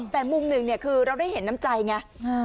แต่มุมหนึ่งเนี่ยคือเราได้เห็นน้ำใจไง